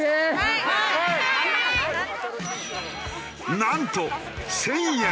なんと１０００円！